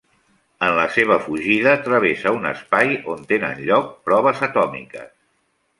En la seva fugida, travessa un espai on tenen lloc proves atòmiques.